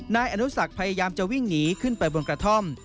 นายอนุสักพยายามจะวิ่งหนีขึ้นไปบนกระท่อม